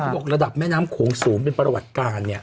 บอกระดับแม่น้ำโขงสูงเป็นประวัติการเนี่ย